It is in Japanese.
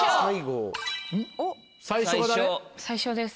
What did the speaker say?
最初です。